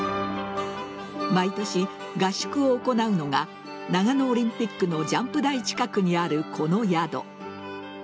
毎年、合宿を行うのが長野オリンピックのジャンプ台近くにあるこの宿。